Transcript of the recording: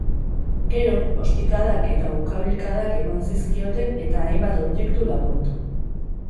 Gero, ostikadak eta ukabilkadak eman zizkioten eta hainbat objektu lapurtu.